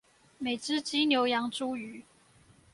每隻雞牛羊豬魚